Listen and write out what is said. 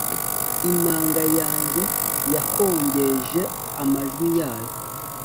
inanga yanjye yakongeje amajwi yayo